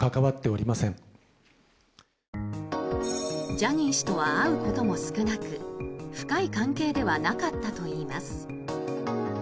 ジャニー氏とは会うことも少なく深い関係ではなかったといいます。